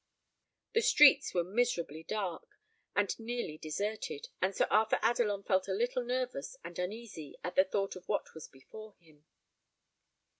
The streets were miserably dark, and nearly deserted, and Sir Arthur Adelon felt a little nervous and uneasy at the thought of what was before him.